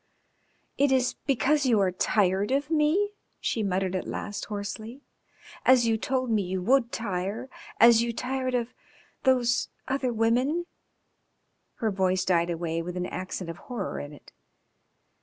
"It is because you are tired of me?" she muttered at last hoarsely, " as you told me you would tire, as you tired of those other women?" Her voice died away with an accent of horror in it.